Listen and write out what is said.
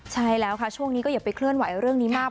ใช่แล้วค่ะช่วงนี้ก็อย่าไปเคลื่อนไหวเรื่องนี้มาก